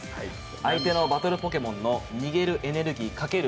相手のバトルポケモンの逃げるエネルギーかける